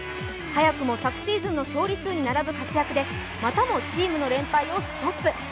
早くも昨シーズンの勝利数に並ぶ活躍でまたもチームの連敗をストップ。